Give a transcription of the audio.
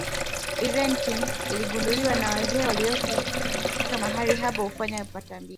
irente iligunduwa na wazee waliokuwa wakifika mahali hapo kufanya matambiko